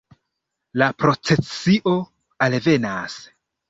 La procesio alvenas.